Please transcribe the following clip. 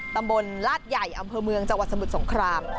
ตำบลลาดใหญ่อำเภอเมืองจังหวัดสมุทรสงคราม